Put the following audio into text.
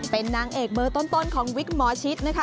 เป็นนางเอกเบอร์ต้นของวิกหมอชิดนะคะ